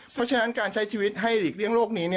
เพราะฉะนั้นการใช้ชีวิตให้หลีกเลี่ยงโลกนี้